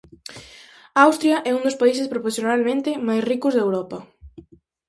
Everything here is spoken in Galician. Austria é un dos países proporcionalmente máis ricos de Europa.